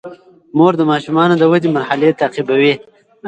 مور د ماشومانو د ودې مرحلې تعقیبوي.